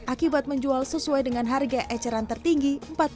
akibat menjual sesuai dengan harga eceran tertinggi